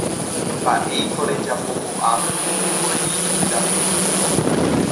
Mba'éiko rejapo ko'ápe nde tekorei tuja.